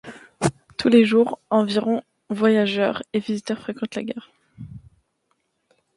Tous les jours, environ voyageurs et visiteurs fréquentent la gare.